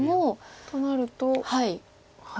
となると。